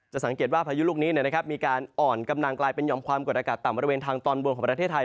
สังเกตว่าพายุลูกนี้มีการอ่อนกำลังกลายเป็นยอมความกดอากาศต่ำบริเวณทางตอนบนของประเทศไทย